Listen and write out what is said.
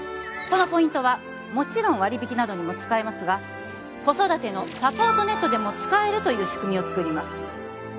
このポイントはもちろん割引などにも使えますが子育てのサポートネットでも使えるという仕組みを作ります